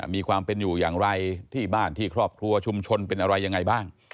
มีความเป็นอยู่อย่างไรที่บ้านที่ครอบครัวชุมชนเป็นอะไรยังไงบ้าง